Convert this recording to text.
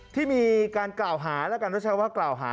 ที่มีการกล่าวหาและการรู้ชัยว่ากล่าวหา